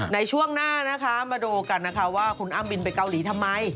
ในช่วงหน้านะคะมาดูกันนะคะว่าคุณอ้ำบินไปเกาหลีทำไม